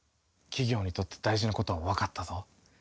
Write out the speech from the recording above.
企業にとって大事なことはわかったぞ。